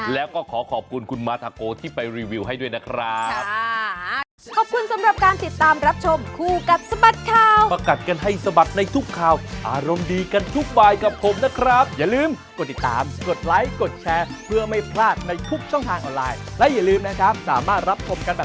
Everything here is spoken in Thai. แล้วก็ขอขอบคุณคุณมาทาโกที่ไปรีวิวให้ด้วยนะครับ